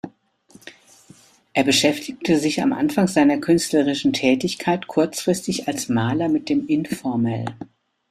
Er beschäftigte sich am Anfang seiner künstlerischen Tätigkeit kurzfristig als Maler mit dem Informel.